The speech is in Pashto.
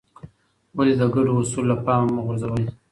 ولې د ګډو اصولو له پامه مه غورځوې؟